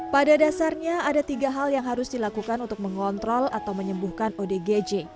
pada dasarnya ada tiga hal yang harus dilakukan untuk mengontrol atau menyembuhkan odgj